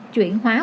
chuyển hóa vùng đỏ